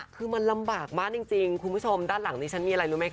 คือมันลำบากมากจริงคุณผู้ชมด้านหลังนี้ฉันมีอะไรรู้ไหมค